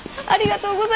ああありがとう。